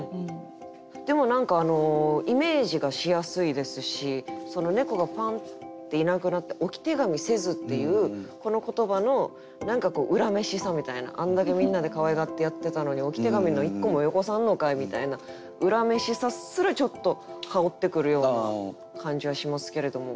でも何かイメージがしやすいですしその猫がファンッていなくなって「置手紙せず」っていうこの言葉の何か恨めしさみたいなあんだけみんなでかわいがってやってたのに「置手紙の１個もよこさんのかい」みたいな恨めしさすらちょっと薫ってくるような感じはしますけれども。